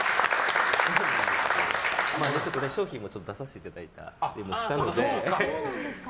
商品も出させていただいたりしたので。